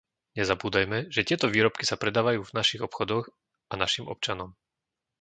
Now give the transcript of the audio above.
Nezabúdajme, že tieto výrobky sa predávajú v našich obchodoch a našim občanom.